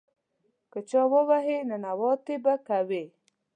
که چا ووهې، ننواتې به کوې.